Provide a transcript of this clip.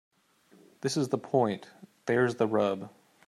this is the point. There's the rub